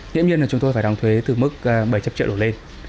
tuy nhiên là chúng tôi phải đóng thuế từ mức bảy trăm linh triệu đổ lên